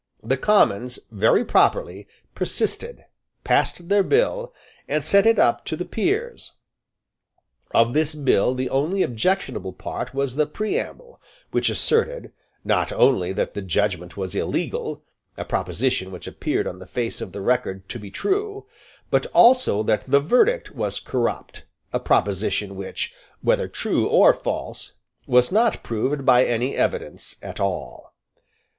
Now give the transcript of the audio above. The Commons, very properly, persisted, passed their bill, and sent it up to the Peers. Of this bill the only objectionable part was the preamble, which asserted, not only that the judgment was illegal, a proposition which appeared on the face of the record to be true, but also that the verdict was corrupt, a proposition which, whether true or false, was not proved by any evidence at all.